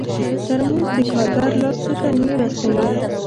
ترموز د کارګر لاس ته ګرمي رسوي.